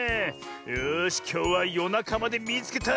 よしきょうはよなかまで「みいつけた！」